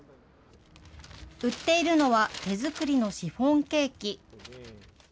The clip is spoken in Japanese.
売っているのは手作りのシフォンケーキ。